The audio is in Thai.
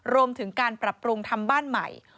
รวมถึงการปรับปรุงทำบ้านใหม่